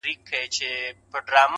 چوروندک ته هره ورځ راتلل عرضونه،